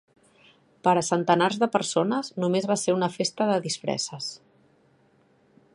Per a centenars de persones només va ser una festa de disfresses.